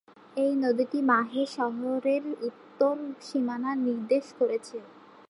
এই নদীটি মাহে শহরের উত্তর সীমানা নির্দেশ করেছে।